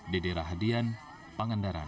dede rahadian pangandaran